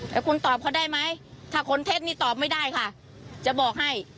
แต่คุณตอบเขาได้ไหมถ้าคนเท็จนี่ตอบไม่ได้ค่ะจะบอกให้